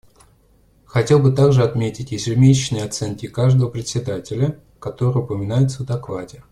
Хотел бы также отметить ежемесячные оценки каждого Председателя, которые упоминаются в докладе.